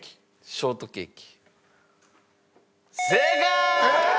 ショートケーキ？